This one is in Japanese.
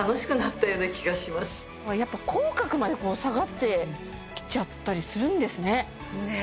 やっぱ口角まで下がってきちゃったりするんですねねえ